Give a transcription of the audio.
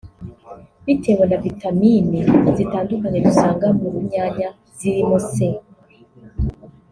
Bitewe na vitamine zitandukanye dusanga mu runyanya zirimo C